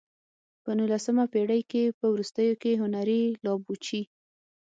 د نولسمې پېړۍ په وروستیو کې هنري لابوچي.